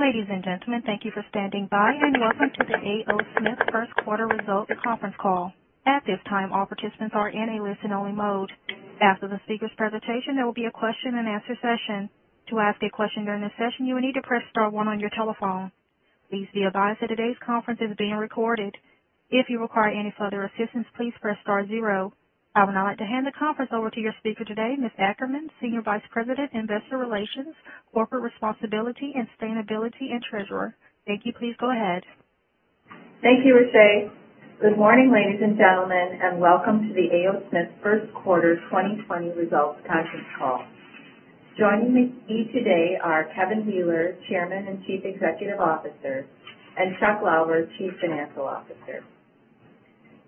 Ladies and gentlemen, thank you for standing by, and welcome to the A. O. Smith First Quarter Results Conference Call. At this time, all participants are in a listen-only mode. After the speaker's presentation, there will be a question-and-answer session. To ask a question during this session, you will need to press star one on your telephone. Please be advised that today's conference is being recorded. If you require any further assistance, please press star zero. I would now like to hand the conference over to your speaker today, Ms. Ackerman, Senior Vice President, Investor Relations, Corporate Responsibility, and Sustainability and Treasurer. Thank you. Please go ahead. Thank you, Rashay. Good morning, ladies and gentlemen, and welcome to the A. O. Smith First Quarter 2020 Results Conference Call. Joining me today are Kevin Wheeler, Chairman and Chief Executive Officer, and Chuck Lauber, Chief Financial Officer.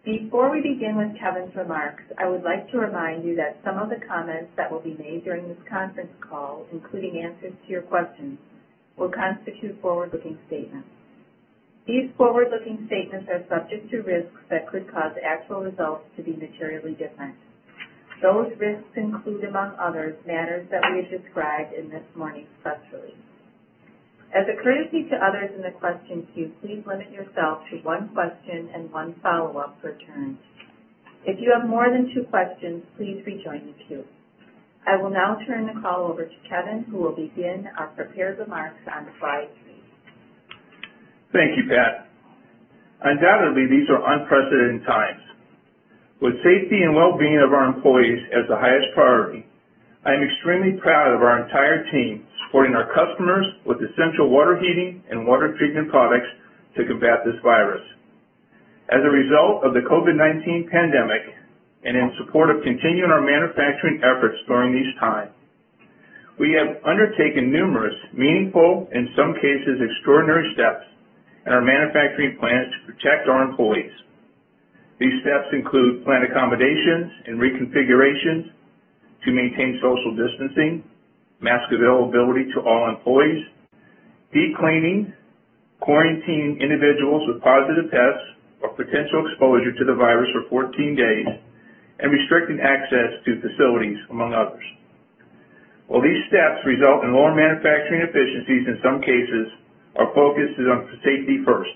Before we begin with Kevin's remarks, I would like to remind you that some of the comments that will be made during this conference call, including answers to your questions, will constitute forward-looking statements. These forward-looking statements are subject to risks that could cause actual results to be materially different. Those risks include, among others, matters that we have described in this morning's press release. As a courtesy to others in the question queue, please limit yourself to one question and one follow-up for turn. If you have more than two questions, please rejoin the queue. I will now turn the call over to Kevin, who will begin our prepared remarks on slide three. Thank you, Pat. Undoubtedly, these are unprecedented times. With safety and well-being of our employees as the highest priority, I am extremely proud of our entire team supporting our customers with essential water heating and water treatment products to combat this virus. As a result of the COVID-19 pandemic and in support of continuing our manufacturing efforts during these times, we have undertaken numerous meaningful, in some cases extraordinary steps in our manufacturing plans to protect our employees. These steps include planned accommodations and reconfigurations to maintain social distancing, mask availability to all employees, cleaning, quarantining individuals with positive tests or potential exposure to the virus for 14 days, and restricting access to facilities, among others. While these steps result in lower manufacturing efficiencies, in some cases, our focus is on safety first.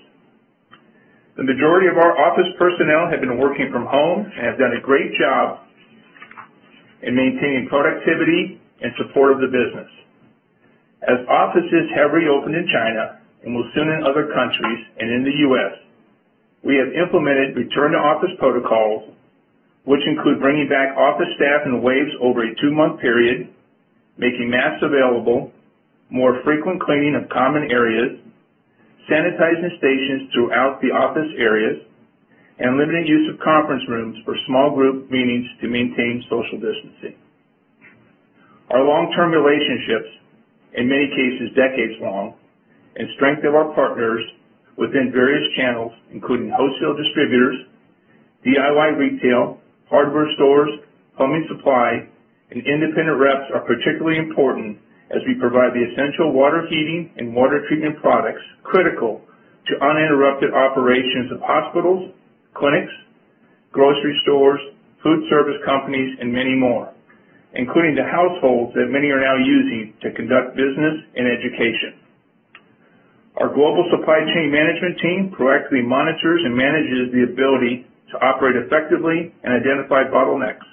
The majority of our office personnel have been working from home and have done a great job in maintaining productivity and support of the business. As offices have reopened in China and will soon in other countries and in the U.S., we have implemented return-to-office protocols, which include bringing back office staff in waves over a two-month period, making masks available, more frequent cleaning of common areas, sanitizing stations throughout the office areas, and limiting use of conference rooms for small group meetings to maintain social distancing. Our long-term relationships, in many cases decades long, and strength of our partners within various channels, including wholesale distributors, DIY retail, hardware stores, plumbing supply, and independent reps, are particularly important as we provide the essential water heating and water treatment products critical to uninterrupted operations of hospitals, clinics, grocery stores, food service companies, and many more, including the households that many are now using to conduct business and education. Our global supply chain management team proactively monitors and manages the ability to operate effectively and identify bottlenecks.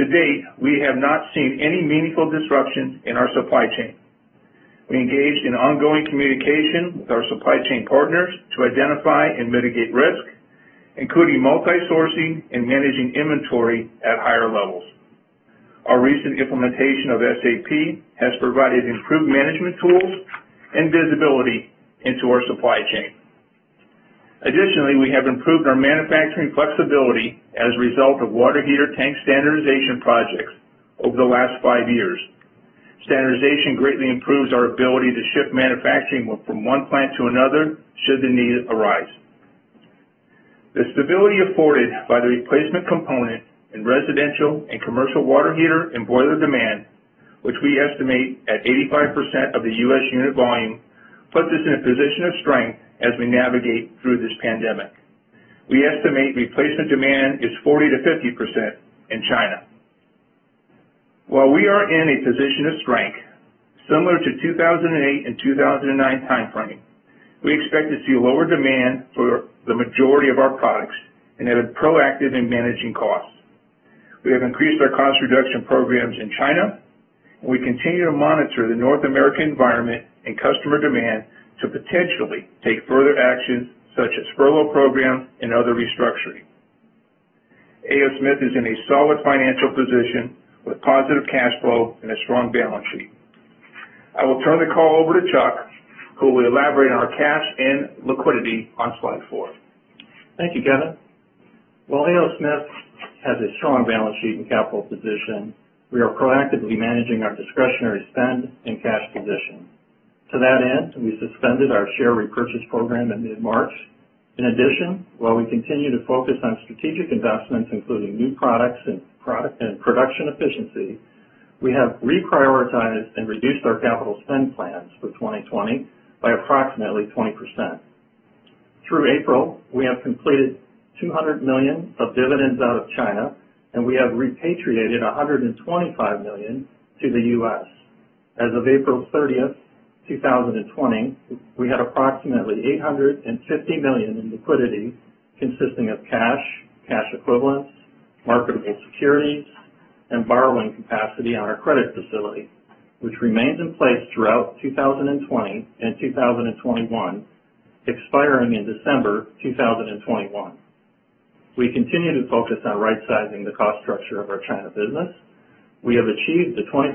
To date, we have not seen any meaningful disruptions in our supply chain. We engage in ongoing communication with our supply chain partners to identify and mitigate risk, including multi-sourcing and managing inventory at higher levels. Our recent implementation of SAP has provided improved management tools and visibility into our supply chain. Additionally, we have improved our manufacturing flexibility as a result of water heater tank standardization projects over the last five years. Standardization greatly improves our ability to shift manufacturing from one plant to another should the need arise. The stability afforded by the replacement component in residential and commercial water heater and boiler demand, which we estimate at 85% of the U.S. unit volume, puts us in a position of strength as we navigate through this pandemic. We estimate replacement demand is 40-50% in China. While we are in a position of strength, similar to 2008 and 2009 timeframe, we expect to see lower demand for the majority of our products and have been proactive in managing costs. We have increased our cost reduction programs in China, and we continue to monitor the North American environment and customer demand to potentially take further actions such as furlough programs and other restructuring. A. O. Smith is in a solid financial position with positive cash flow and a strong balance sheet. I will turn the call over to Chuck, who will elaborate on our cash and liquidity on slide four. Thank you, Kevin. While A. O. Smith has a strong balance sheet and capital position, we are proactively managing our discretionary spend and cash position. To that end, we suspended our share repurchase program in mid-March. In addition, while we continue to focus on strategic investments, including new products and production efficiency, we have reprioritized and reduced our capital spend plans for 2020 by approximately 20%. Through April, we have completed $200 million of dividends out of China, and we have repatriated $125 million to the U.S. As of April 30, 2020, we had approximately $850 million in liquidity consisting of cash, cash equivalents, marketable securities, and borrowing capacity on our credit facility, which remained in place throughout 2020 and 2021, expiring in December 2021. We continue to focus on right-sizing the cost structure of our China business. We have achieved the 20%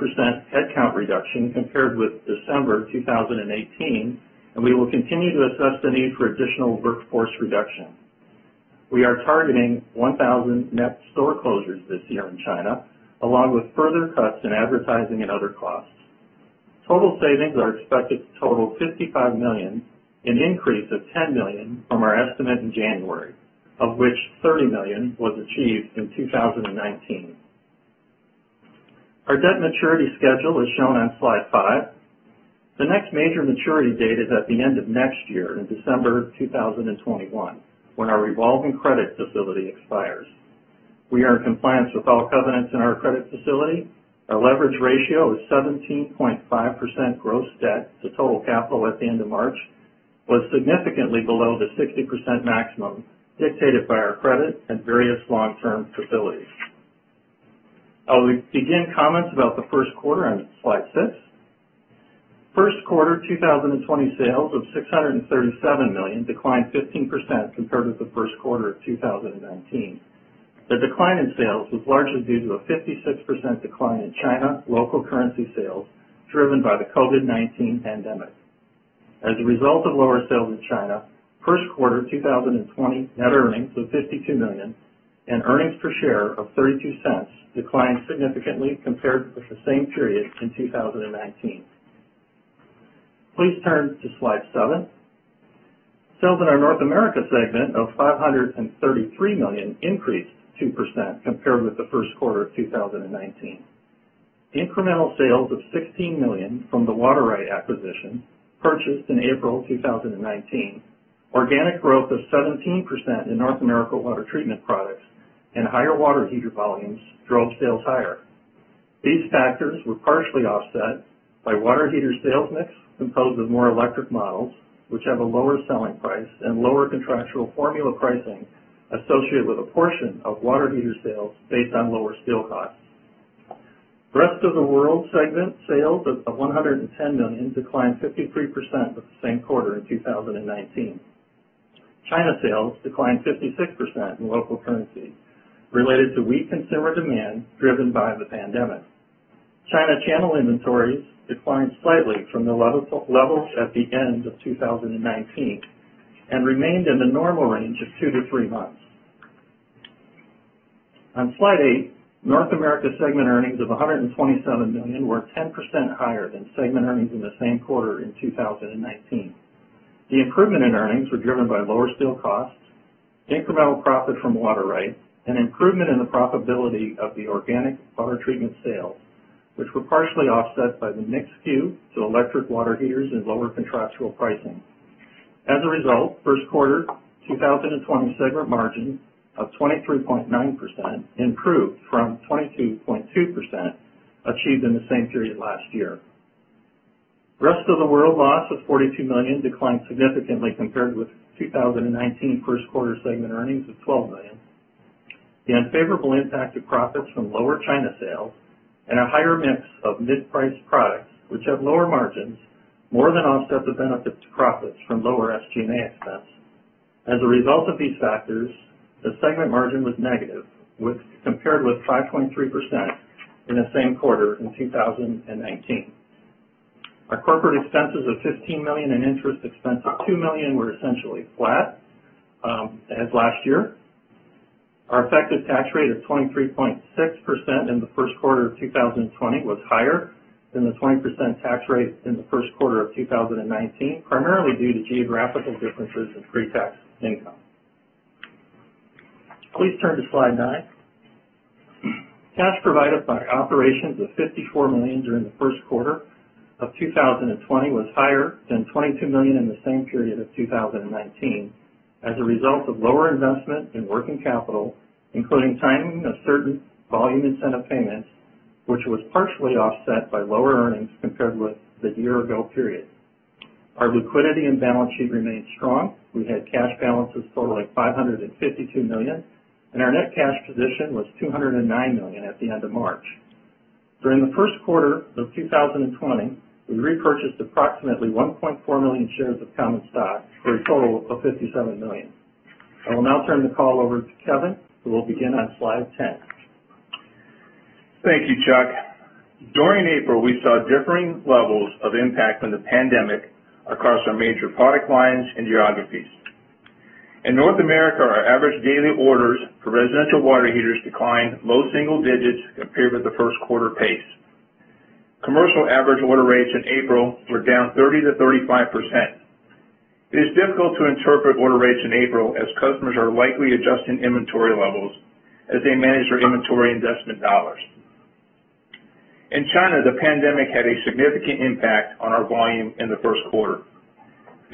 headcount reduction compared with December 2018, and we will continue to assess the need for additional workforce reduction. We are targeting 1,000 net store closures this year in China, along with further cuts in advertising and other costs. Total savings are expected to total $55 million, an increase of $10 million from our estimate in January, of which $30 million was achieved in 2019. Our debt maturity schedule is shown on slide five. The next major maturity date is at the end of next year, in December 2021, when our revolving credit facility expires. We are in compliance with all covenants in our credit facility. Our leverage ratio is 17.5% gross debt to total capital at the end of March, which was significantly below the 60% maximum dictated by our credit and various long-term facilities. I will begin comments about the first quarter on slide six. First quarter 2020 sales of $637 million declined 15% compared with the first quarter of 2019. The decline in sales was largely due to a 56% decline in China local currency sales driven by the COVID-19 pandemic. As a result of lower sales in China, first quarter 2020 net earnings of $52 million and earnings per share of $0.32 declined significantly compared with the same period in 2019. Please turn to slide seven. Sales in our North America segment of $533 million increased 2% compared with the first quarter of 2019. Incremental sales of $16 million from the Water-Right acquisition purchased in April 2019, organic growth of 17% in North America water treatment products, and higher water heater volumes drove sales higher. These factors were partially offset by water heater sales mix composed of more electric models, which have a lower selling price and lower contractual formula pricing associated with a portion of water heater sales based on lower steel costs. Rest of the world segment sales of $110 million declined 53% with the same quarter in 2019. China sales declined 56% in local currency related to weak consumer demand driven by the pandemic. China channel inventories declined slightly from the levels at the end of 2019 and remained in the normal range of two to three months. On slide eight, North America segment earnings of $127 million were 10% higher than segment earnings in the same quarter in 2019. The improvement in earnings was driven by lower steel costs, incremental profit from Water-Right, and improvement in the profitability of the organic water treatment sales, which were partially offset by the mix shift to electric water heaters and lower contractual pricing. As a result, first quarter 2020 segment margin of 23.9% improved from 22.2% achieved in the same period last year. Rest of the world loss of $42 million declined significantly compared with 2019 first quarter segment earnings of $12 million. The unfavorable impact of profits from lower China sales and a higher mix of mid-priced products, which have lower margins, more than offset the benefit to profits from lower SG&A expense. As a result of these factors, the segment margin was negative compared with 5.3% in the same quarter in 2019. Our corporate expenses of $15 million and interest expense of $2 million were essentially flat as last year. Our effective tax rate of 23.6% in the first quarter of 2020 was higher than the 20% tax rate in the first quarter of 2019, primarily due to geographical differences in pre-tax income. Please turn to slide nine. Cash provided by operations of $54 million during the first quarter of 2020 was higher than $22 million in the same period of 2019 as a result of lower investment in working capital, including timing of certain volume incentive payments, which was partially offset by lower earnings compared with the year-ago period. Our liquidity and balance sheet remained strong. We had cash balances totaling $552 million, and our net cash position was $209 million at the end of March. During the first quarter of 2020, we repurchased approximately 1.4 million shares of common stock for a total of $57 million. I will now turn the call over to Kevin, who will begin on slide 10. Thank you, Chuck. During April, we saw differing levels of impact from the pandemic across our major product lines and geographies. In North America, our average daily orders for residential water heaters declined low single digits compared with the first quarter pace. Commercial average order rates in April were down 30-35%. It is difficult to interpret order rates in April as customers are likely adjusting inventory levels as they manage their inventory investment dollars. In China, the pandemic had a significant impact on our volume in the first quarter. 50%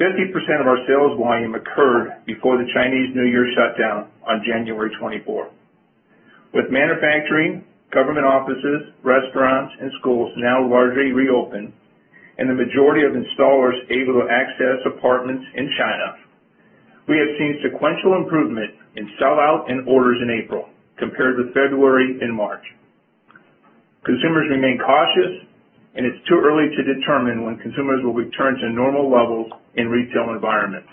of our sales volume occurred before the Chinese New Year shutdown on January 24, with manufacturing, government offices, restaurants, and schools now largely reopened and the majority of installers able to access apartments in China. We have seen sequential improvement in sellout and orders in April compared with February and March. Consumers remain cautious, and it's too early to determine when consumers will return to normal levels in retail environments.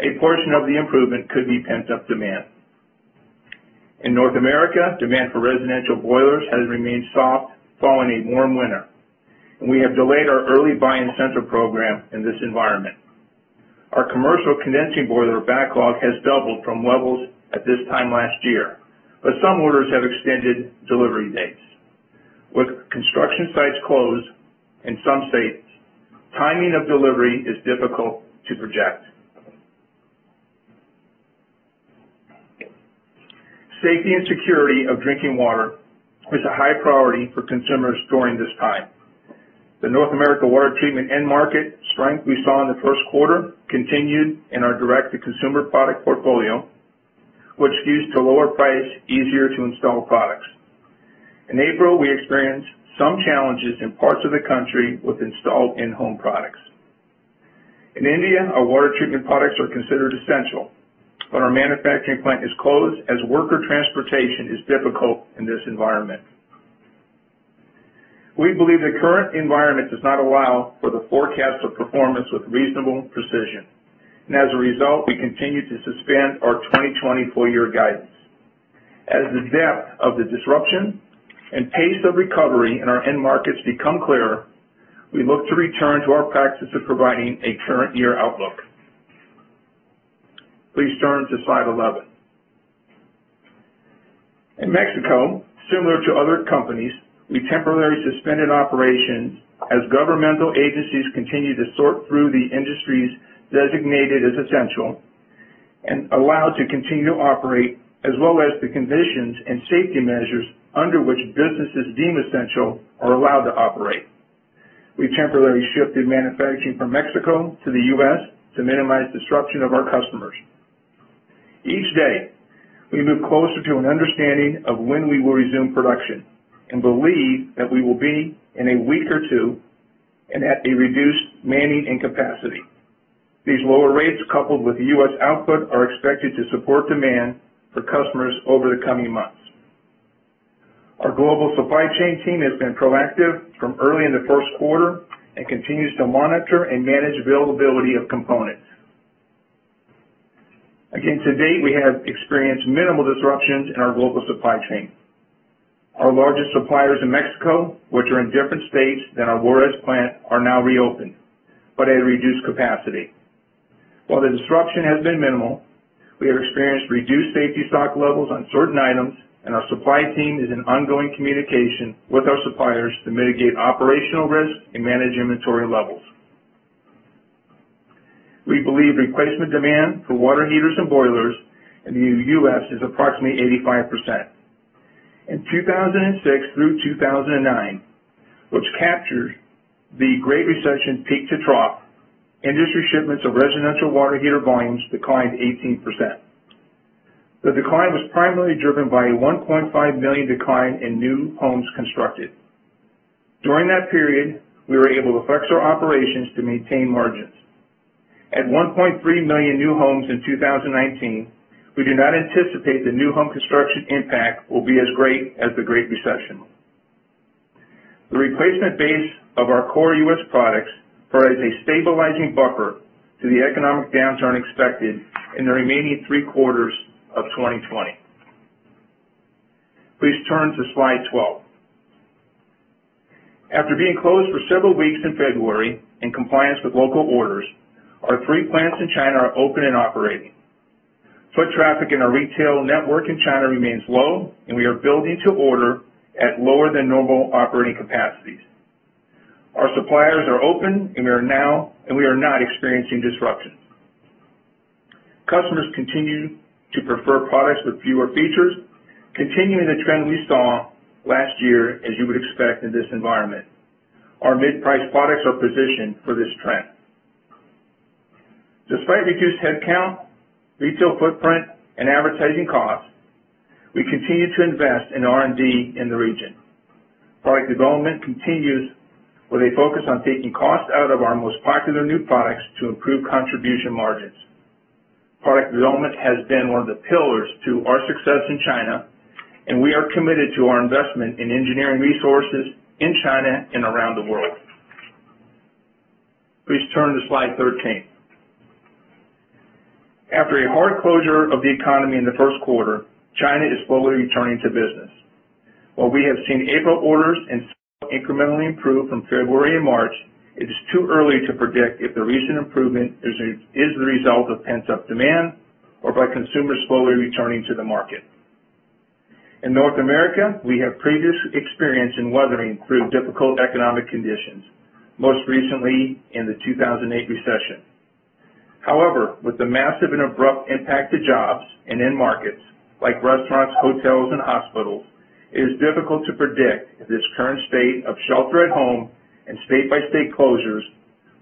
A portion of the improvement could be pent-up demand. In North America, demand for residential boilers has remained soft following a warm winter, and we have delayed our early buy-in center program in this environment. Our commercial condensing boiler backlog has doubled from levels at this time last year, but some orders have extended delivery dates. With construction sites closed in some states, timing of delivery is difficult to project. Safety and security of drinking water is a high priority for consumers during this time. The North America water treatment and market strength we saw in the first quarter continued in our direct-to-consumer product portfolio, which skews to lower price, easier to install products. In April, we experienced some challenges in parts of the country with installed in-home products. In India, our water treatment products are considered essential, but our manufacturing plant is closed as worker transportation is difficult in this environment. We believe the current environment does not allow for the forecast of performance with reasonable precision, and as a result, we continue to suspend our 2020 full-year guidance. As the depth of the disruption and pace of recovery in our end markets become clearer, we look to return to our practice of providing a current-year outlook. Please turn to slide 11. In Mexico, similar to other companies, we temporarily suspended operations as governmental agencies continue to sort through the industries designated as essential and allowed to continue to operate as well as the conditions and safety measures under which businesses deemed essential are allowed to operate. We temporarily shifted manufacturing from Mexico to the U.S. to minimize disruption of our customers. Each day, we move closer to an understanding of when we will resume production and believe that we will be in a week or two and at a reduced manning and capacity. These lower rates, coupled with the U.S. output, are expected to support demand for customers over the coming months. Our global supply chain team has been proactive from early in the first quarter and continues to monitor and manage availability of components. Again, to date, we have experienced minimal disruptions in our global supply chain. Our largest suppliers in Mexico, which are in different states than our Juárez plant, are now reopened, but at a reduced capacity. While the disruption has been minimal, we have experienced reduced safety stock levels on certain items, and our supply team is in ongoing communication with our suppliers to mitigate operational risk and manage inventory levels. We believe replacement demand for water heaters and boilers in the U.S. is approximately 85%. In 2006 through 2009, which captured the Great Recession peak to trough, industry shipments of residential water heater volumes declined 18%. The decline was primarily driven by a 1.5 million decline in new homes constructed. During that period, we were able to flex our operations to maintain margins. At 1.3 million new homes in 2019, we do not anticipate the new home construction impact will be as great as the Great Recession. The replacement base of our core U.S. products provides a stabilizing buffer to the economic downturn expected in the remaining three quarters of 2020. Please turn to slide 12. After being closed for several weeks in February in compliance with local orders, our three plants in China are open and operating. Foot traffic in our retail network in China remains low, and we are building to order at lower than normal operating capacities. Our suppliers are open, and we are not experiencing disruptions. Customers continue to prefer products with fewer features, continuing the trend we saw last year, as you would expect in this environment. Our mid-priced products are positioned for this trend. Despite reduced headcount, retail footprint, and advertising costs, we continue to invest in R&D in the region. Product development continues with a focus on taking cost out of our most popular new products to improve contribution margins. Product development has been one of the pillars to our success in China, and we are committed to our investment in engineering resources in China and around the world. Please turn to slide 13. After a hard closure of the economy in the first quarter, China is slowly returning to business. While we have seen April orders incrementally improve from February and March, it is too early to predict if the recent improvement is the result of pent-up demand or by consumers slowly returning to the market. In North America, we have previous experience in weathering through difficult economic conditions, most recently in the 2008 recession. However, with the massive and abrupt impact to jobs and end markets like restaurants, hotels, and hospitals, it is difficult to predict if this current state of shelter-at-home and state-by-state closures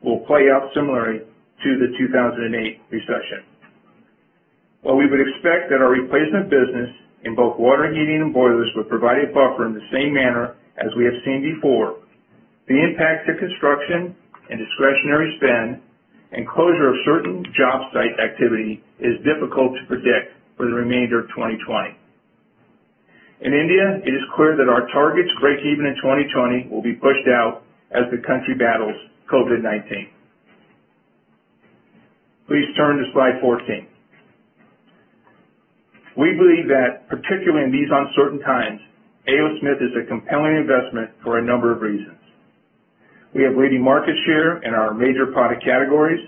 will play out similarly to the 2008 recession. While we would expect that our replacement business in both water heating and boilers would provide a buffer in the same manner as we have seen before, the impact to construction and discretionary spend and closure of certain job site activity is difficult to predict for the remainder of 2020. In India, it is clear that our targets break even in 2020 will be pushed out as the country battles COVID-19. Please turn to slide 14. We believe that, particularly in these uncertain times, A. O. Smith is a compelling investment for a number of reasons. We have leading market share in our major product categories.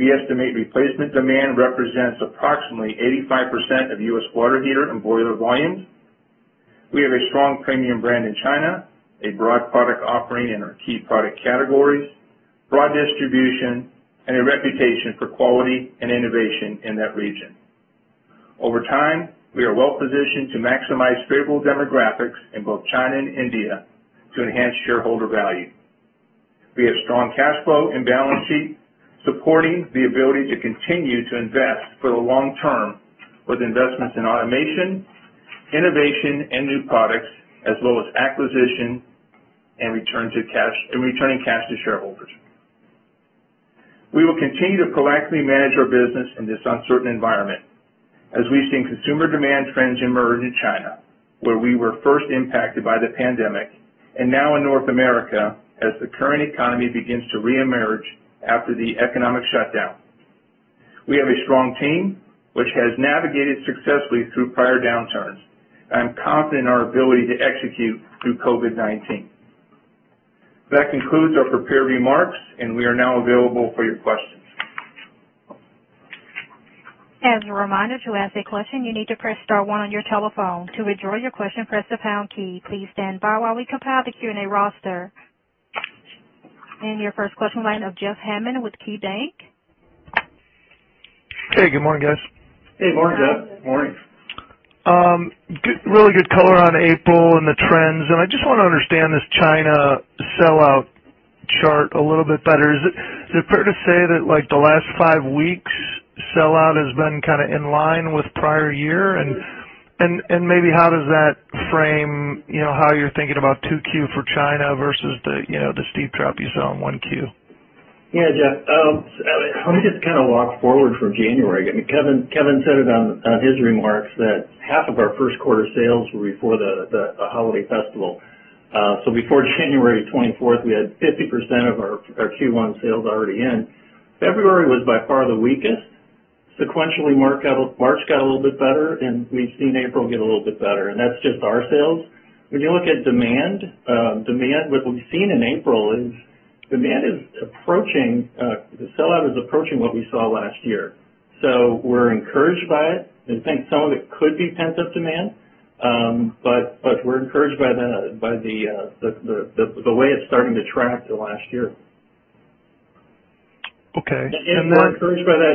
We estimate replacement demand represents approximately 85% of U.S. water heater and boiler volumes. We have a strong premium brand in China, a broad product offering in our key product categories, broad distribution, and a reputation for quality and innovation in that region. Over time, we are well positioned to maximize favorable demographics in both China and India to enhance shareholder value. We have strong cash flow and balance sheet supporting the ability to continue to invest for the long term with investments in automation, innovation, and new products, as well as acquisition and returning cash to shareholders. We will continue to proactively manage our business in this uncertain environment as we've seen consumer demand trends emerge in China, where we were first impacted by the pandemic, and now in North America as the current economy begins to reemerge after the economic shutdown. We have a strong team, which has navigated successfully through prior downturns, and I'm confident in our ability to execute through COVID-19. That concludes our prepared remarks, and we are now available for your questions. As a reminder to ask a question, you need to press star one on your telephone. To withdraw your question, press the pound key. Please stand by while we compile the Q&A roster. Your first question line of Jeff Hammond with KeyBanc. Hey, good morning, guys. Hey, morning, Jeff. Good morning. Really good color on April and the trends. I just want to understand this China sellout chart a little bit better. Is it fair to say that the last five weeks' sellout has been kind of in line with prior year? Maybe how does that frame how you're thinking about 2Q for China versus the steep drop you saw in 1Q? Yeah, Jeff. Let me just kind of walk forward from January. Kevin said it on his remarks that half of our first quarter sales were before the holiday festival. So before January 24, we had 50% of our Q1 sales already in. February was by far the weakest. Sequentially, March got a little bit better, and we have seen April get a little bit better. That is just our sales. When you look at demand, what we have seen in April is demand is approaching; the sellout is approaching what we saw last year. We are encouraged by it. We think some of it could be pent-up demand, but we are encouraged by the way it is starting to track the last year. Okay. We're encouraged by that.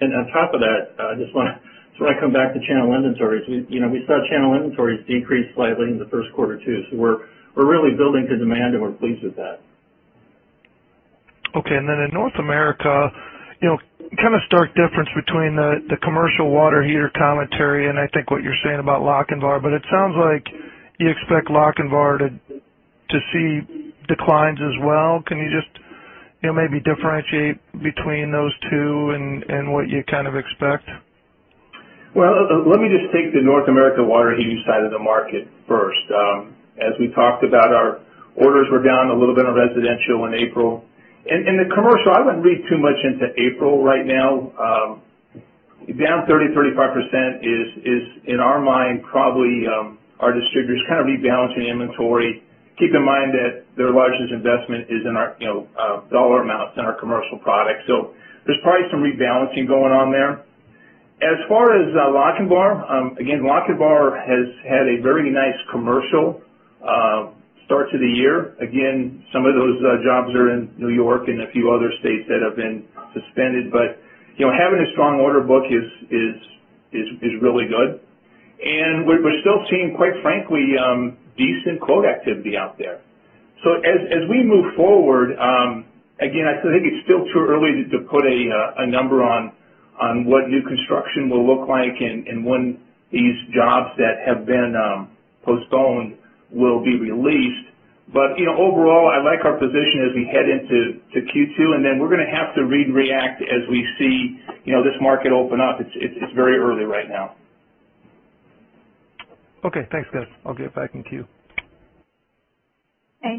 On top of that, I just want to come back to channel inventories. We saw channel inventories decrease slightly in the first quarter too. We are really building to demand, and we're pleased with that. Okay. In North America, kind of stark difference between the commercial water heater commentary and I think what you're saying about Lochinvar, but it sounds like you expect Lochinvar to see declines as well. Can you just maybe differentiate between those two and what you kind of expect? Let me just take the North America water heating side of the market first. As we talked about, our orders were down a little bit on residential in April. In the commercial, I would not read too much into April right now. Down 30-35% is, in our mind, probably our distributors kind of rebalancing inventory. Keep in mind that their largest investment is in our dollar amounts in our commercial products. There is probably some rebalancing going on there. As far as Lochinvar, again, Lochinvar has had a very nice commercial start to the year. Some of those jobs are in New York and a few other states that have been suspended, but having a strong order book is really good. We are still seeing, quite frankly, decent quote activity out there. As we move forward, again, I think it's still too early to put a number on what new construction will look like and when these jobs that have been postponed will be released. Overall, I like our position as we head into Q2, and then we're going to have to read and react as we see this market open up. It's very early right now. Okay. Thanks, guys. I'll get back to you.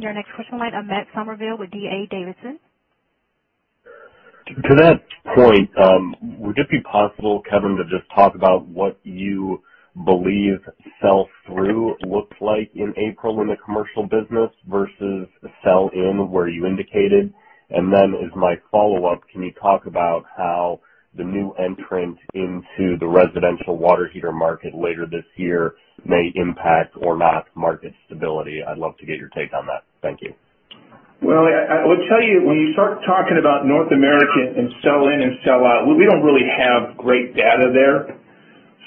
Your next question line of Matt Summerville with D.A. Davidson. To that point, would it be possible, Kevin, to just talk about what you believe sell-through looks like in April in the commercial business versus sell-in where you indicated? As my follow-up, can you talk about how the new entrant into the residential water heater market later this year may impact or not market stability? I'd love to get your take on that. Thank you. When you start talking about North America and sell-in and sell-out, we do not really have great data there.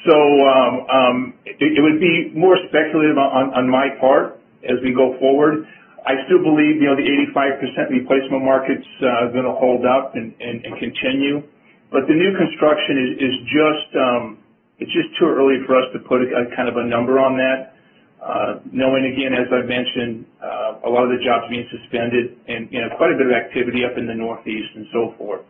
It would be more speculative on my part as we go forward. I still believe the 85% replacement market is going to hold up and continue. The new construction is just too early for us to put kind of a number on that, knowing, again, as I have mentioned, a lot of the jobs being suspended and quite a bit of activity up in the Northeast and so forth.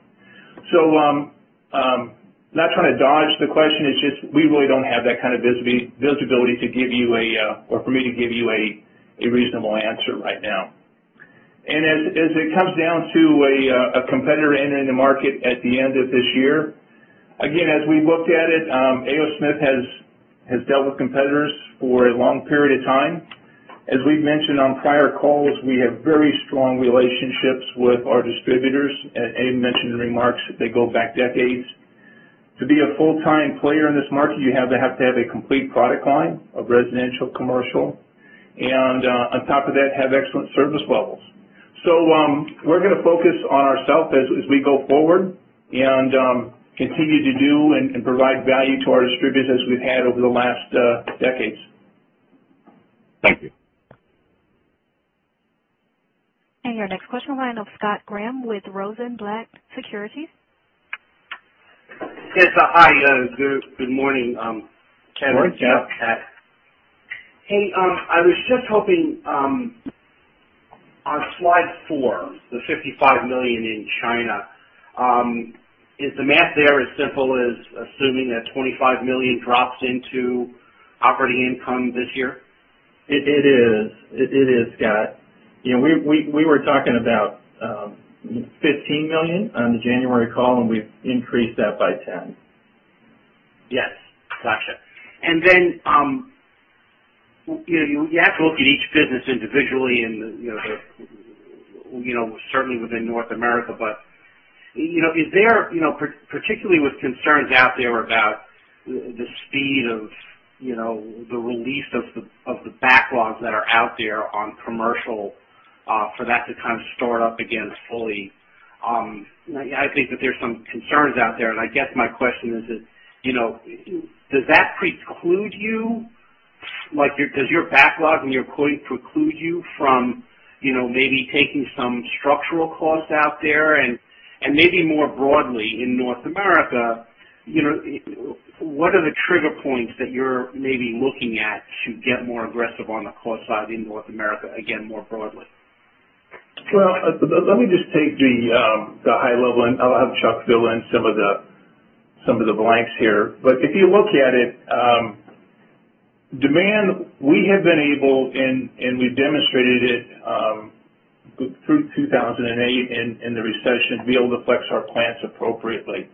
I am not trying to dodge the question. It is just we really do not have that kind of visibility to give you or for me to give you a reasonable answer right now. As it comes down to a competitor entering the market at the end of this year, again, as we have looked at it, A. O. Smith has dealt with competitors for a long period of time. As we've mentioned on prior calls, we have very strong relationships with our distributors. As you mentioned in remarks, they go back decades. To be a full-time player in this market, you have to have a complete product line of residential, commercial, and on top of that, have excellent service levels. We are going to focus on ourself as we go forward and continue to do and provide value to our distributors as we've had over the last decades. Thank you. Your next question line of Scott Graham with Rosenblatt Securities. Yes. Hi. Good morning, Kevin and Jeff. Morning, Jeff. Hey. I was just hoping on slide 4, the $55 million in China, is the math there as simple as assuming that $25 million drops into operating income this year? It is. It is, Scott. We were talking about $15 million on the January call, and we've increased that by $10 million. Yes. Gotcha. You have to look at each business individually and certainly within North America. Is there, particularly with concerns out there about the speed of the release of the backlogs that are out there on commercial for that to kind of start up again fully? I think that there's some concerns out there. I guess my question is, does that preclude you? Does your backlog and your quote preclude you from maybe taking some structural costs out there? Maybe more broadly in North America, what are the trigger points that you're maybe looking at to get more aggressive on the cost side in North America again more broadly? Let me just take the high level, and I'll have Chuck fill in some of the blanks here. If you look at it, demand, we have been able, and we've demonstrated it through 2008 in the recession, to be able to flex our plants appropriately.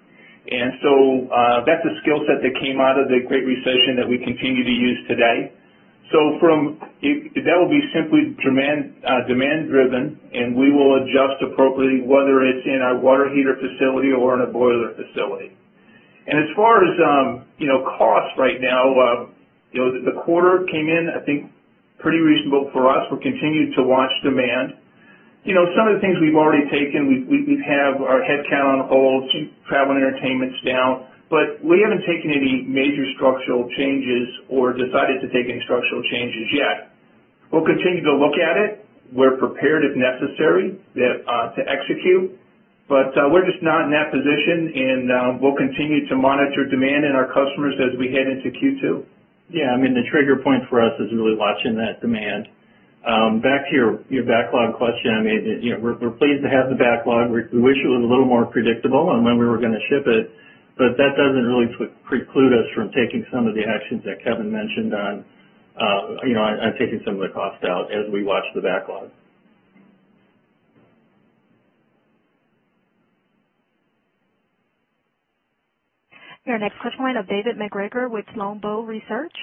That is a skill set that came out of the Great Recession that we continue to use today. That will be simply demand-driven, and we will adjust appropriately, whether it's in our water heater facility or in a boiler facility. As far as cost right now, the quarter came in, I think, pretty reasonable for us. We're continuing to watch demand. Some of the things we've already taken, we have our headcount on hold, travel and entertainment's down, but we haven't taken any major structural changes or decided to take any structural changes yet. We'll continue to look at it. We're prepared if necessary to execute, but we're just not in that position. We will continue to monitor demand and our customers as we head into Q2. Yeah. I mean, the trigger point for us is really watching that demand. Back to your backlog question, I mean, we're pleased to have the backlog. We wish it was a little more predictable on when we were going to ship it, but that doesn't really preclude us from taking some of the actions that Kevin mentioned on taking some of the cost out as we watch the backlog. Your next question line of David MacGregor with Longbow Research.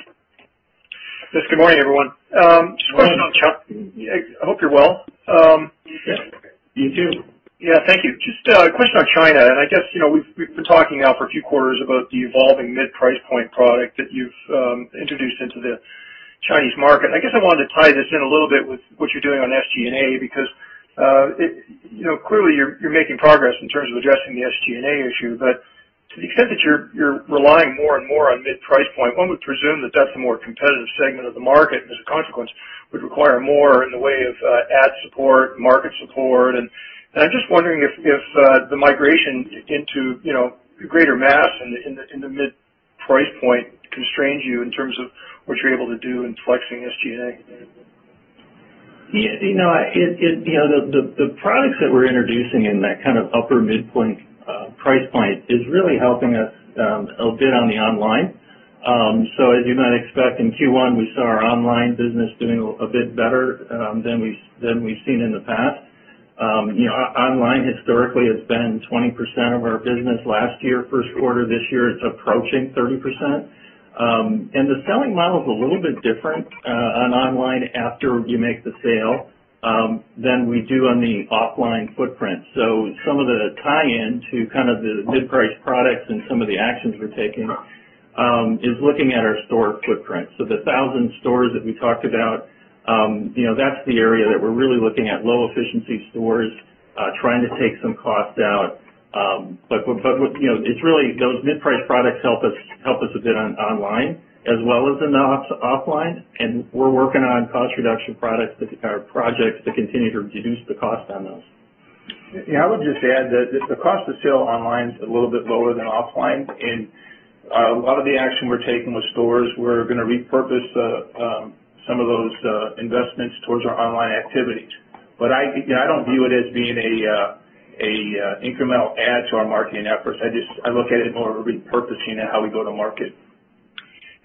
Yes. Good morning, everyone. Just a question on Chuck. I hope you're well. Yeah. You too. Yeah. Thank you. Just a question on China. I guess we've been talking now for a few quarters about the evolving mid-price point product that you've introduced into the Chinese market. I guess I wanted to tie this in a little bit with what you're doing on SG&A because clearly you're making progress in terms of addressing the SG&A issue. To the extent that you're relying more and more on mid-price point, one would presume that that's a more competitive segment of the market, and as a consequence, would require more in the way of ad support, market support. I'm just wondering if the migration into greater mass in the mid-price point constrains you in terms of what you're able to do in flexing SG&A. The products that we're introducing in that kind of upper midpoint price point is really helping us a bit on the online. As you might expect, in Q1, we saw our online business doing a bit better than we've seen in the past. Online historically has been 20% of our business last year. First quarter this year, it's approaching 30%. The selling model's a little bit different on online after you make the sale than we do on the offline footprint. Some of the tie-in to kind of the mid-price products and some of the actions we're taking is looking at our store footprint. The 1,000 stores that we talked about, that's the area that we're really looking at: low-efficiency stores, trying to take some cost out. It's really those mid-price products help us a bit on online as well as in the offline. We are working on cost-reduction products or projects to continue to reduce the cost on those. Yeah. I would just add that the cost of sale online is a little bit lower than offline. A lot of the action we are taking with stores, we are going to repurpose some of those investments towards our online activities. I do not view it as being an incremental add to our marketing efforts. I look at it more of a repurposing and how we go to market.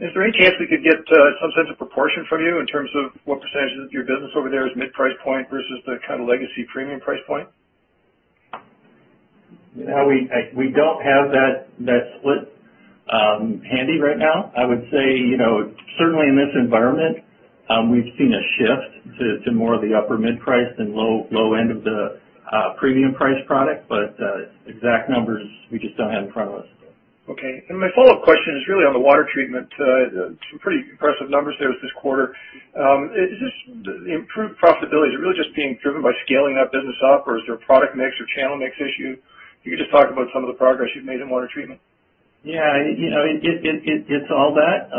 Is there any chance we could get some sense of proportion from you in terms of what percentage of your business over there is mid-price point versus the kind of legacy premium price point? We do not have that split handy right now. I would say certainly in this environment, we have seen a shift to more of the upper mid-price than low end of the premium price product. Exact numbers, we just do not have in front of us. Okay. My follow-up question is really on the water treatment. Some pretty impressive numbers there this quarter. Is this improved profitability really just being driven by scaling that business up, or is there a product mix or channel mix issue? You could just talk about some of the progress you've made in water treatment. Yeah. It is all that.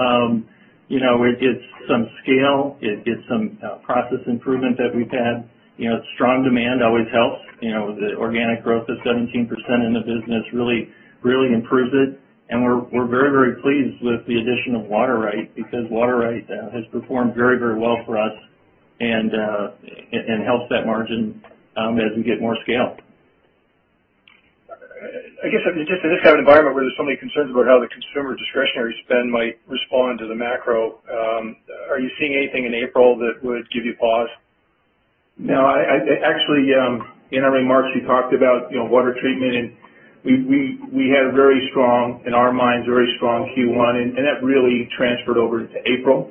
It gets some scale. It gets some process improvement that we have had. Strong demand always helps. The organic growth of 17% in the business really improves it. We are very, very pleased with the addition of Water-Right because Water-Right has performed very, very well for us and helps that margin as we get more scale. I guess just in this kind of environment where there's so many concerns about how the consumer discretionary spend might respond to the macro, are you seeing anything in April that would give you pause? No. Actually, in our remarks, we talked about water treatment, and we had a very strong, in our minds, very strong Q1, and that really transferred over into April.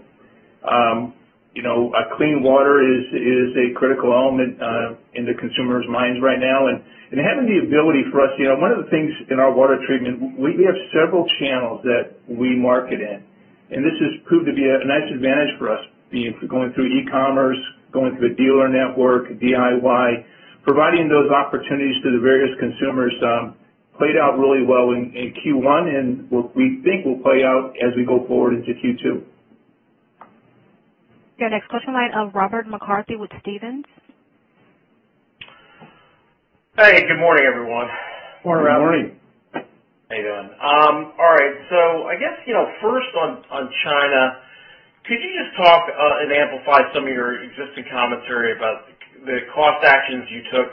Clean water is a critical element in the consumer's minds right now. Having the ability for us, one of the things in our water treatment, we have several channels that we market in. This has proved to be a nice advantage for us, going through e-commerce, going through a dealer network, DIY, providing those opportunities to the various consumers played out really well in Q1 and what we think will play out as we go forward into Q2. Your next question line of Robert McCarthy with Stephens. Hey. Good morning, everyone. Morning, Rob. Good morning. How are you doing? All right. I guess first on China, could you just talk and amplify some of your existing commentary about the cost actions you took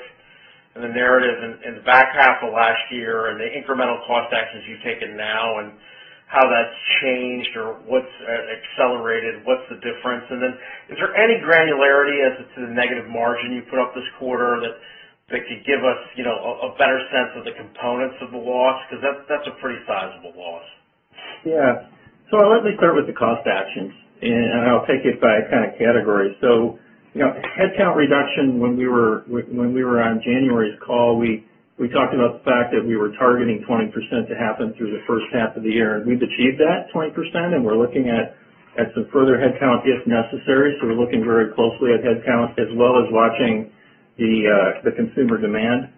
and the narrative in the back half of last year and the incremental cost actions you've taken now and how that's changed or what's accelerated, what's the difference? Is there any granularity as to the negative margin you put up this quarter that could give us a better sense of the components of the loss? Because that's a pretty sizable loss. Yeah. Let me start with the cost actions, and I'll take it by kind of category. Headcount reduction, when we were on January's call, we talked about the fact that we were targeting 20% to happen through the first half of the year. We've achieved that 20%, and we're looking at some further headcount if necessary. We're looking very closely at headcount as well as watching the consumer demand.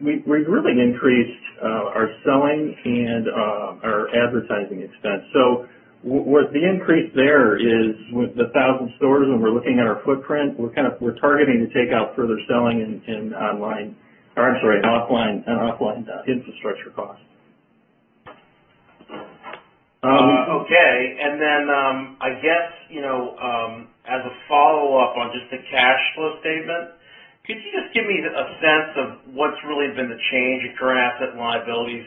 We've really increased our selling and our advertising expense. The increase there is with the 1,000 stores when we're looking at our footprint, we're targeting to take out further selling in online or, I'm sorry, on offline infrastructure cost. Okay. I guess as a follow-up on just the cash flow statement, could you just give me a sense of what's really been the change in current asset liabilities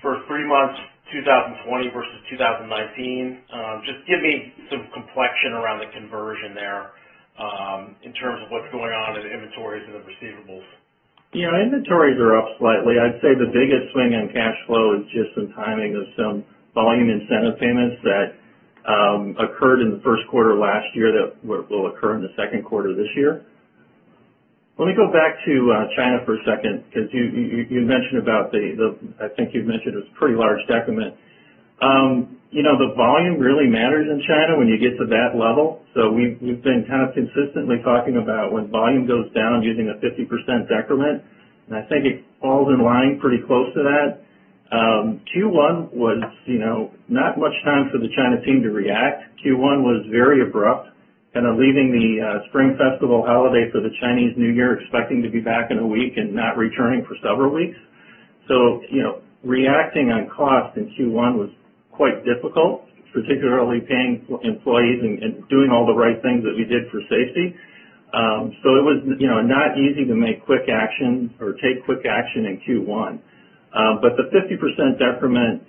for three months, 2020 versus 2019? Just give me some complexion around the conversion there in terms of what's going on in inventories and the receivables. Yeah. Inventories are up slightly. I'd say the biggest swing in cash flow is just some timing of some volume incentive payments that occurred in the first quarter last year that will occur in the second quarter this year. Let me go back to China for a second because you mentioned about the I think you've mentioned it was a pretty large decrement. The volume really matters in China when you get to that level. We have been kind of consistently talking about when volume goes down using a 50% decrement, and I think it falls in line pretty close to that. Q1 was not much time for the China team to react. Q1 was very abrupt, kind of leaving the Spring Festival holiday for the Chinese New Year, expecting to be back in a week and not returning for several weeks. Reacting on cost in Q1 was quite difficult, particularly paying employees and doing all the right things that we did for safety. It was not easy to make quick action or take quick action in Q1. The 50% decrement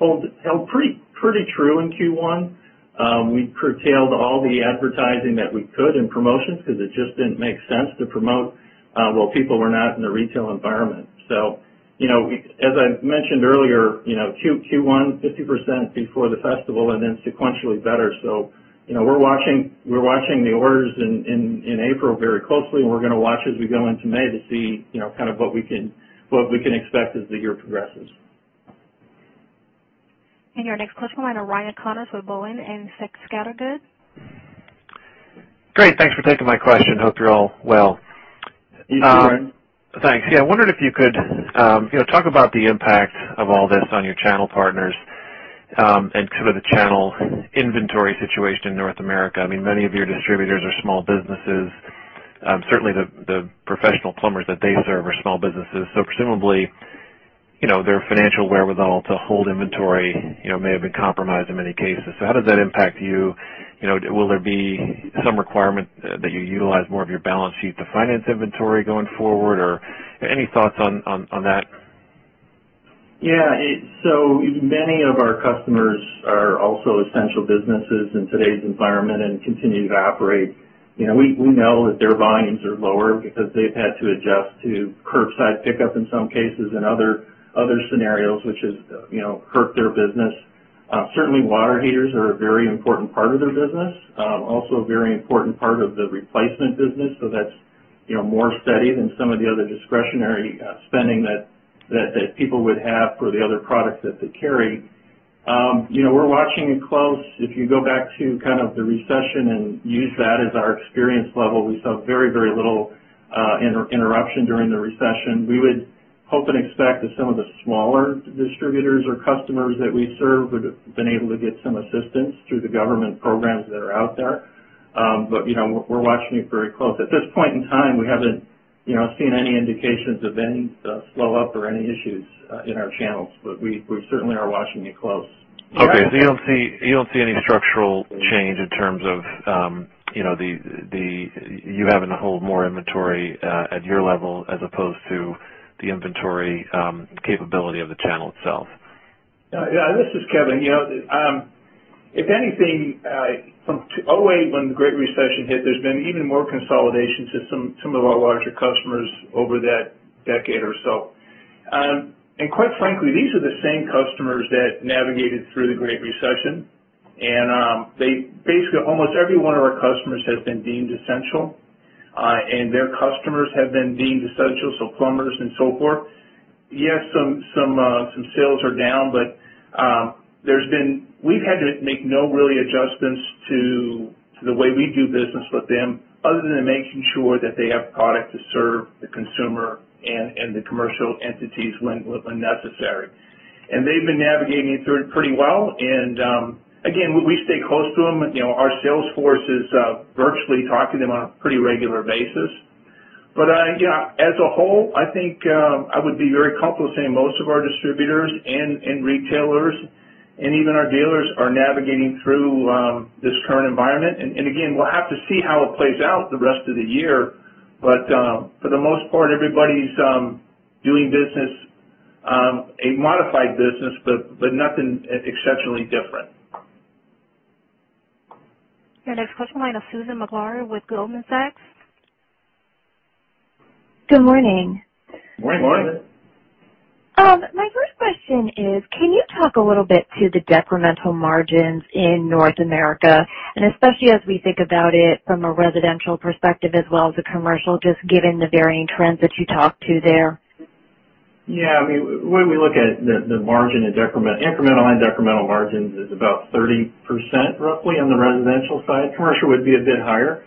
held pretty true in Q1. We curtailed all the advertising that we could and promotions because it just did not make sense to promote while people were not in the retail environment. As I mentioned earlier, Q1, 50% before the festival and then sequentially better. We are watching the orders in April very closely, and we are going to watch as we go into May to see kind of what we can expect as the year progresses. Your next question, line of Ryan Connors with Boenning & Scattergood. Great. Thanks for taking my question. Hope you're all well. You too, Ryan. Thanks. Yeah. I wondered if you could talk about the impact of all this on your channel partners and sort of the channel inventory situation in North America. I mean, many of your distributors are small businesses. Certainly, the professional plumbers that they serve are small businesses. Presumably, their financial wherewithal to hold inventory may have been compromised in many cases. How does that impact you? Will there be some requirement that you utilize more of your balance sheet to finance inventory going forward, or any thoughts on that? Yeah. Many of our customers are also essential businesses in today's environment and continue to operate. We know that their volumes are lower because they've had to adjust to curbside pickup in some cases and other scenarios, which has hurt their business. Certainly, water heaters are a very important part of their business, also a very important part of the replacement business. That is more steady than some of the other discretionary spending that people would have for the other products that they carry. We're watching it close. If you go back to kind of the recession and use that as our experience level, we saw very, very little interruption during the recession. We would hope and expect that some of the smaller distributors or customers that we serve would have been able to get some assistance through the government programs that are out there. We are watching it very close. At this point in time, we have not seen any indications of any slow-up or any issues in our channels, but we certainly are watching it close. Okay. You do not see any structural change in terms of you having to hold more inventory at your level as opposed to the inventory capability of the channel itself? Yeah. Yeah. This is Kevin. If anything, from 2008 when the Great Recession hit, there has been even more consolidation to some of our larger customers over that decade or so. Quite frankly, these are the same customers that navigated through the Great Recession. Basically, almost every one of our customers has been deemed essential, and their customers have been deemed essential, so plumbers and so forth. Yes, some sales are down, but we have had to make no really adjustments to the way we do business with them other than making sure that they have product to serve the consumer and the commercial entities when necessary. They have been navigating it pretty well. Again, we stay close to them. Our sales force is virtually talking to them on a pretty regular basis. Yeah, as a whole, I think I would be very comfortable saying most of our distributors and retailers and even our dealers are navigating through this current environment. Again, we'll have to see how it plays out the rest of the year. For the most part, everybody's doing business, a modified business, but nothing exceptionally different. Your next question line of Susan Maklari with Goldman Sachs. Good morning. Good morning. Good morning. My first question is, can you talk a little bit to the decremental margins in North America and especially as we think about it from a residential perspective as well as a commercial, just given the varying trends that you talked to there? Yeah. I mean, the way we look at the incremental and decremental margins is about 30% roughly on the residential side. Commercial would be a bit higher.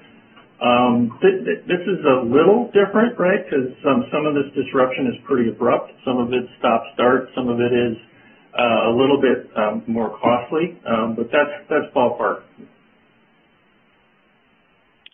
This is a little different, right, because some of this disruption is pretty abrupt. Some of it is stop-start. Some of it is a little bit more costly. But that's ballpark.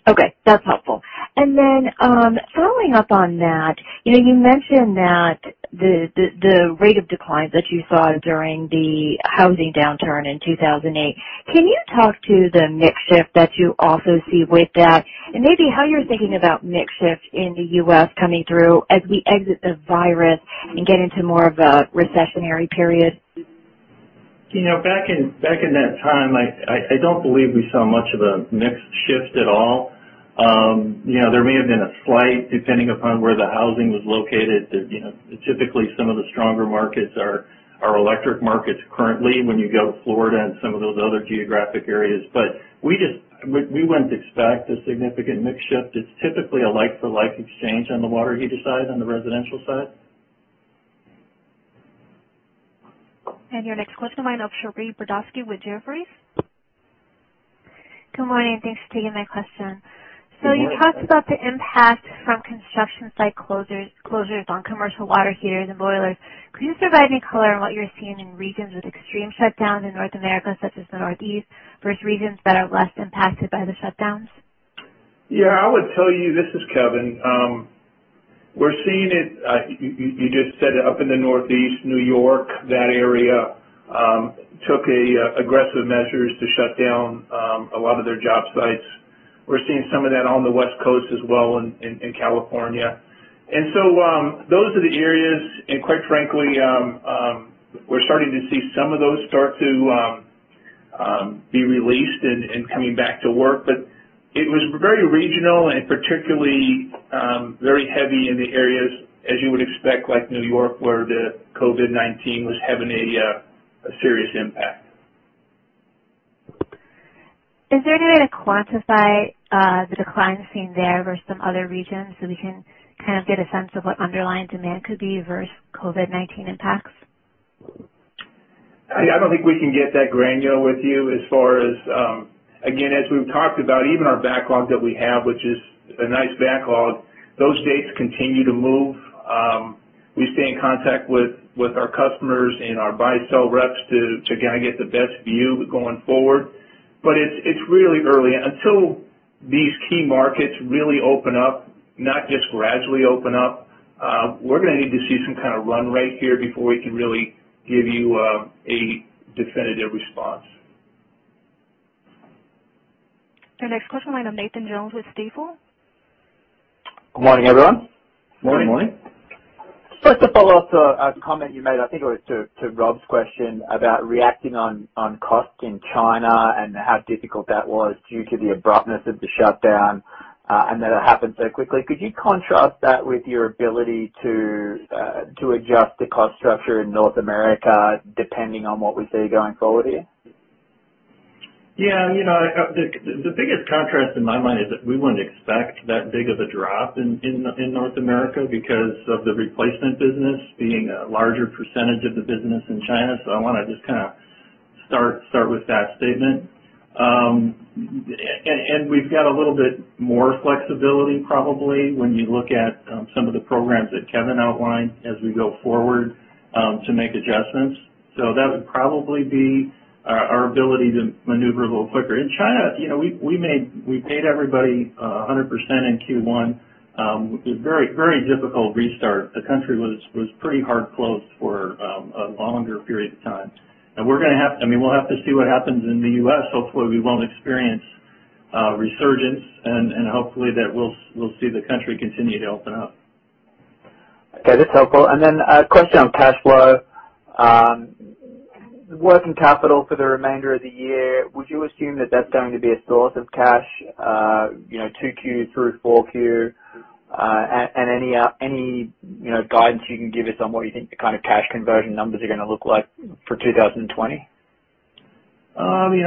Okay. That's helpful. Following up on that, you mentioned that the rate of decline that you saw during the housing downturn in 2008. Can you talk to the mix shift that you also see with that and maybe how you're thinking about mix shift in the U.S. coming through as we exit the virus and get into more of a recessionary period? Back in that time, I don't believe we saw much of a mix shift at all. There may have been a slight depending upon where the housing was located. Typically, some of the stronger markets are electric markets currently when you go to Florida and some of those other geographic areas. We wouldn't expect a significant mix shift. It's typically a like-for-like exchange on the water heater side on the residential side. Your next question line of Saree Boroditsky with Jefferies. Good morning. Thanks for taking my question. You talked about the impact from construction site closures on commercial water heaters and boilers. Could you provide me color on what you're seeing in regions with extreme shutdowns in North America, such as the Northeast, versus regions that are less impacted by the shutdowns? Yeah. I would tell you this is Kevin. We're seeing it. You just said it up in the Northeast, New York, that area took aggressive measures to shut down a lot of their job sites. We're seeing some of that on the West Coast as well in California. Those are the areas. Quite frankly, we're starting to see some of those start to be released and coming back to work. It was very regional and particularly very heavy in the areas, as you would expect, like New York, where the COVID-19 was having a serious impact. Is there any way to quantify the decline seen there versus some other regions so we can kind of get a sense of what underlying demand could be versus COVID-19 impacts? I don't think we can get that granular with you as far as, again, as we've talked about, even our backlog that we have, which is a nice backlog, those dates continue to move. We stay in contact with our customers and our buy-sell reps to kind of get the best view going forward. It is really early. Until these key markets really open up, not just gradually open up, we're going to need to see some kind of run rate here before we can really give you a definitive response. Your next question, line of Nathan Jones with Stifel. Good morning, everyone. Morning. Good morning. Just to follow up a comment you made, I think it was to Rob's question about reacting on cost in China and how difficult that was due to the abruptness of the shutdown and that it happened so quickly. Could you contrast that with your ability to adjust the cost structure in North America depending on what we see going forward here? Yeah. The biggest contrast in my mind is that we wouldn't expect that big of a drop in North America because of the replacement business being a larger percentage of the business in China. I want to just kind of start with that statement. We've got a little bit more flexibility probably when you look at some of the programs that Kevin outlined as we go forward to make adjustments. That would probably be our ability to maneuver a little quicker. In China, we paid everybody 100% in Q1. It was a very difficult restart. The country was pretty hard-closed for a longer period of time. We're going to have to, I mean, we'll have to see what happens in the U.S. Hopefully, we won't experience resurgence, and hopefully, we'll see the country continue to open up. Okay. That's helpful. A question on cash flow. Working capital for the remainder of the year, would you assume that that's going to be a source of cash to 2Q through 4Q? Any guidance you can give us on what you think the kind of cash conversion numbers are going to look like for 2020? I'm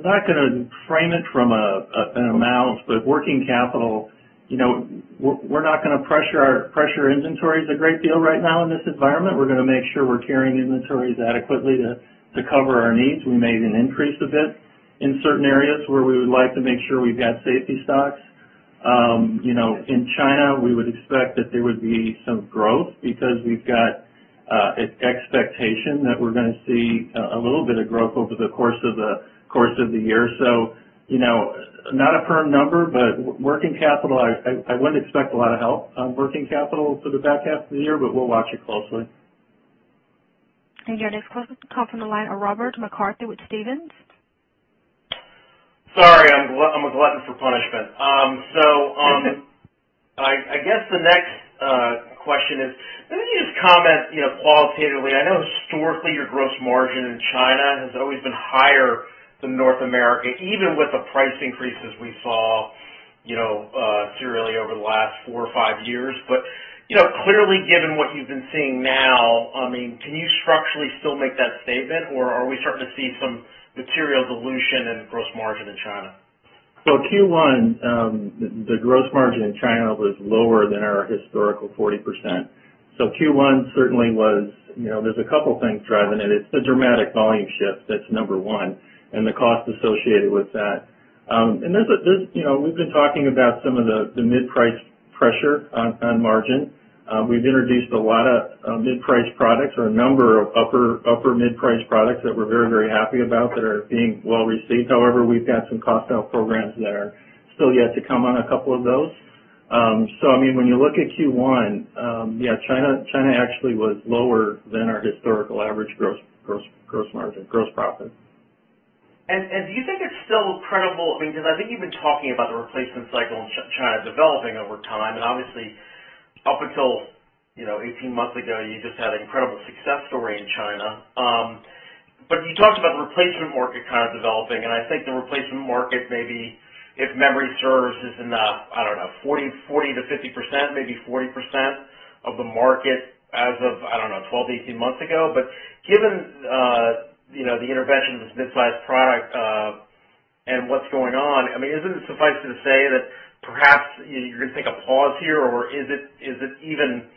not going to frame it from an amount, but working capital, we're not going to pressure inventories a great deal right now in this environment. We're going to make sure we're carrying inventories adequately to cover our needs. We may even increase a bit in certain areas where we would like to make sure we've got safety stocks. In China, we would expect that there would be some growth because we've got an expectation that we're going to see a little bit of growth over the course of the year. Not a firm number, but working capital, I wouldn't expect a lot of help on working capital for the back half of the year, but we'll watch it closely. Your next question is coming from the line of Robert McCarthy with Stephens. Sorry. I'm a glutton for punishment. I guess the next question is, maybe you just comment qualitatively. I know historically your gross margin in China has always been higher than North America, even with the price increases we saw serially over the last four or five years. Clearly, given what you've been seeing now, I mean, can you structurally still make that statement, or are we starting to see some material dilution in gross margin in China? Q1, the gross margin in China was lower than our historical 40%. Q1 certainly was there's a couple of things driving it. It's the dramatic volume shift. That's number one, and the cost associated with that. We've been talking about some of the mid-price pressure on margin. We've introduced a lot of mid-price products or a number of upper mid-price products that we're very, very happy about that are being well received. However, we've got some cost-out programs that are still yet to come on a couple of those. I mean, when you look at Q1, yeah, China actually was lower than our historical average gross margin, gross profit. Do you think it's still credible? I mean, because I think you've been talking about the replacement cycle in China developing over time. Obviously, up until 18 months ago, you just had an incredible success story in China. You talked about the replacement market kind of developing. I think the replacement market, maybe if memory serves, is in the, I don't know, 40-50%, maybe 40% of the market as of, I don't know, 12 to 18 months ago. Given the intervention of this mid-sized product and what's going on, isn't it suffice to say that perhaps you're going to take a pause here, or is it even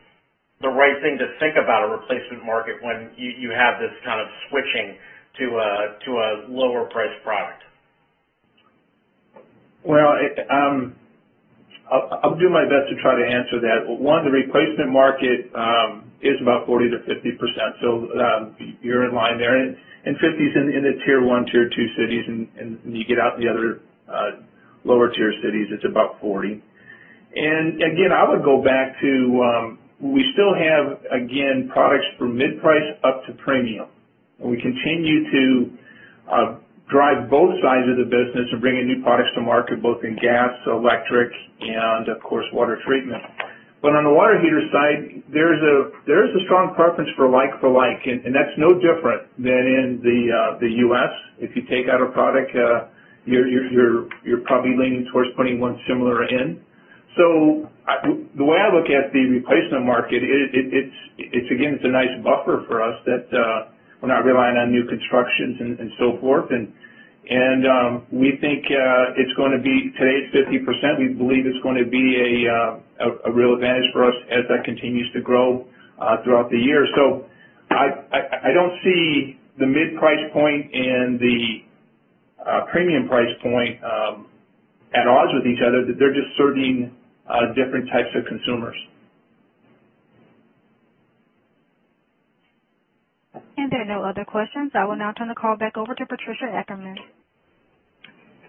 the right thing to think about a replacement market when you have this kind of switching to a lower-priced product? I'll do my best to try to answer that. One, the replacement market is about 40-50%. You're in line there. And 50% is in the tier one, tier two cities. Then you get out in the other lower-tier cities, it's about 40%. I would go back to we still have, again, products from mid-price up to premium. We continue to drive both sides of the business and bring in new products to market, both in gas, electric, and of course, water treatment. On the water heater side, there's a strong preference for like-for-like. That's no different than in the U.S. If you take out a product, you're probably leaning towards putting one similar in. The way I look at the replacement market, it's, again, it's a nice buffer for us that we're not relying on new constructions and so forth. We think it's going to be today's 50%. We believe it's going to be a real advantage for us as that continues to grow throughout the year. I don't see the mid-price point and the premium price point at odds with each other. They're just serving different types of consumers. There are no other questions. I will now turn the call back over to Patricia Ackerman.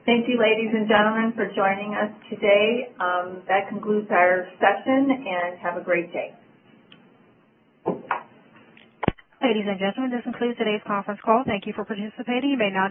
Thank you, ladies and gentlemen, for joining us today. That concludes our session, and have a great day. Ladies and gentlemen, this concludes today's conference call. Thank you for participating. You may now.